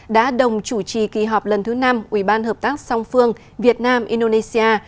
đã đồng chủ trì kỳ họp lần thứ năm ủy ban hợp tác song phương việt nam indonesia